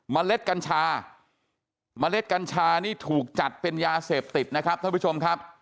เล็ดกัญชาเมล็ดกัญชานี่ถูกจัดเป็นยาเสพติดนะครับท่านผู้ชมครับ